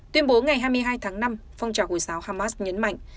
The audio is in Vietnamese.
tuyên bố ngày hai mươi hai tháng năm phong trào hồi giáo hamas nhấn mạnh